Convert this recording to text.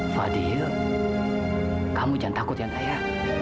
fadil kamu jangan takut ya daya